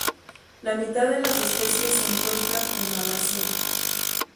La mitad de las especies se encuentran en Malasia.